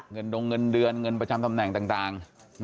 เงินดวงเงินเดือนเงินประชัมตำแหน่งต่าง